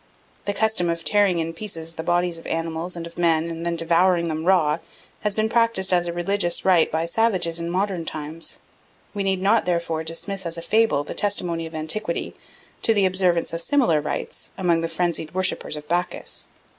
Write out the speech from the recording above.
The custom of tearing in pieces the bodies of animals and of men and then devouring them raw has been practised as a religious rite by savages in modern times. We need not therefore dismiss as a fable the testimony of antiquity to the observance of similar rites among the frenzied worshippers of Bacchus.